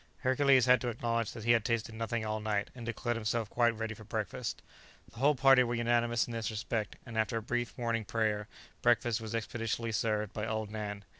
Hercules had to acknowledge that he had tasted nothing all night, and declared himself quite ready for breakfast. The whole party were unanimous in this respect, and after a brief morning prayer, breakfast was expeditiously served by old Nan.